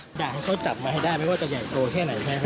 อยากให้เขาจับมาให้ได้ไม่ว่าจะใหญ่โตแค่ไหนใช่ไหม